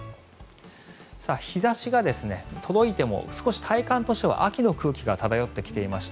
日差しが届いても少し体感としては秋の空気が漂ってきました。